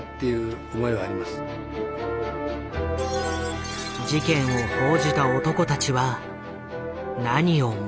事件を報じた男たちは何を目撃したのか。